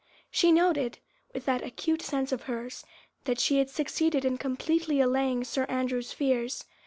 She noted—with that acute sense of hers—that she had succeeded in completely allaying Sir Andrew's fears.